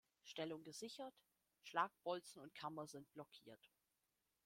Stellung gesichert: Schlagbolzen und Kammer sind blockiert.